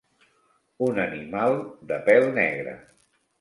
Un animal de pèl negre.